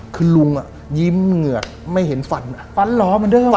คือลุงอ่ะยิ้มเหงือกไม่เห็นฝันฝันเหรอเหมือนเดิม